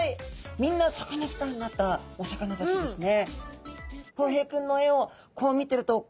みんなサカナスターになったお魚たちですね。